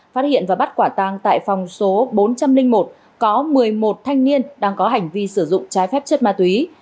phát hiện và bắt quả tang tại phòng số bốn trăm linh một có một mươi một thanh niên đang có hành vi sử dụng trái phép chất ma túy